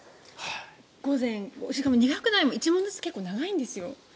しかも２００題も１問ずつ結構長いんです。